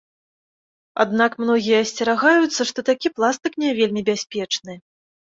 Аднак многія асцерагаюцца, што такі пластык не вельмі ў бяспечны.